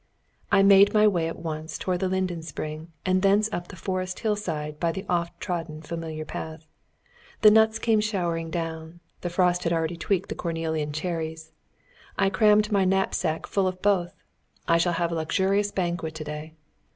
I made my way at once towards the linden spring, and thence up the forest hill side by the often trodden familiar path. The nuts came showering down; the frost had already tweaked the Cornelian cherries. I crammed my knapsack full of both: I shall have a luxurious banquet to day.